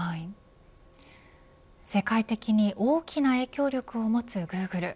世界的に大きな影響力を持つグーグル。